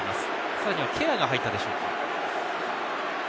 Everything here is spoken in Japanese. さらにはケアが入ったでしょうか。